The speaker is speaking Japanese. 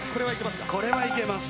これはいけますか？